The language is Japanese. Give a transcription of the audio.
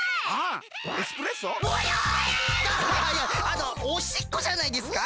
あのおしっこじゃないですか？